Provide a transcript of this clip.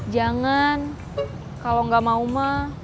jangan kalau nggak mau mah